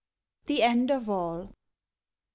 THE END OF ALL. I.